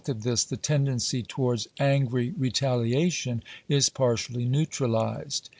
43d of this, the tendency towards angry retaliation is partially neu tralized.